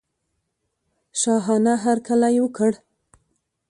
شاهانه هرکلی وکړ.